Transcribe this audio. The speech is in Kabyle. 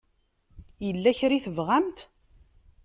Yella kra i tebɣamt?